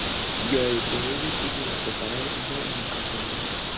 Y para ello tiene que preparar a un nigromante.